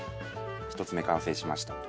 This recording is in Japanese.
１つ目完成しました。